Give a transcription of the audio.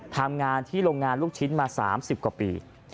ทำงานที่โรงงานลูกชิ้นมา๓๐กว่าปี